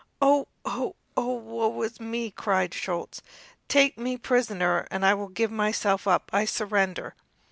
"Oh! oh! oh! woe is me!" cried Schulz; "take me prisoner, I give myself up, I surrender!"